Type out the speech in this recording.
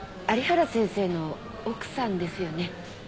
有原先生の奥さんですよね？